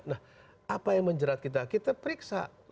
nah apa yang menjerat kita kita periksa